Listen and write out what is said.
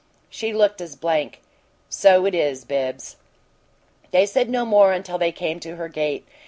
She looked as blank. "So it is, Bibbs." They said no more until they came to her gate.